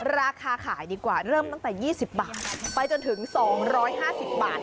ราคาขายดีกว่าเริ่มตั้งแต่๒๐บาทไปจนถึง๒๕๐บาท